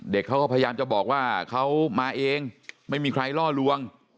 เขาก็พยายามจะบอกว่าเขามาเองไม่มีใครล่อลวง